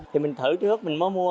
thì mình thử trước mình mới mua